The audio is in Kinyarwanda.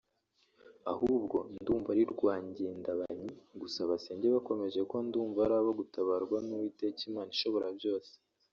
Ahubwo ndumva ari rwangendanyi gusa basenge bakomeje kuko ndumva arabo gutabarwa n’uwiteka Imana ishobora byose